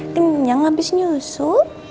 kenyang abis nyusu